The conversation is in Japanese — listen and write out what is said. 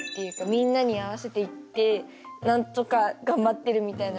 みんなに合わせていってなんとか頑張ってるみたいな。